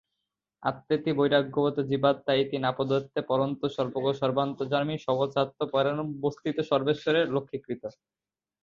আত্মেতি বৈরাগ্যবতো জীবাত্মা ইতি নাপদ্যতে, পরন্তু সর্বগ সর্বান্তর্যামী সর্বস্যাত্মরূপেণাবস্থিত সর্বেশ্বর এব লক্ষ্যীকৃতঃ।